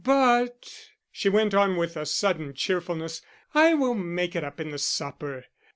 "But," she went on with sudden cheerfulness, "I will make it up in the supper.